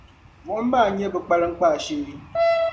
Buɣum maa n-nyɛ bɛ kpaliŋkpaa shee.